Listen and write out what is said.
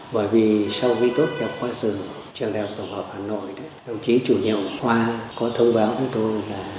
bởi vì sau khi tốt nghiệp khoa sử trường đại học tổng hợp hà nội đồng chí chủ nhiệm khoa có thông báo với tôi là